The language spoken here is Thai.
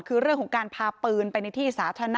คือเรื่องของการพาปืนไปในที่สาธารณะ